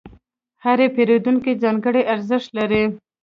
هر پیرودونکی ځانګړی ارزښت لري.